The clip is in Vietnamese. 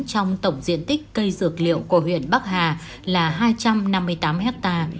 trong tổng diện tích cây dược liệu của huyện bắc hà là hai trăm năm mươi tám ha